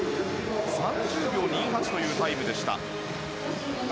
３０秒２８というタイムでした。